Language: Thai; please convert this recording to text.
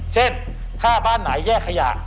เช่นถ้าบ้านไหนแยกขยะ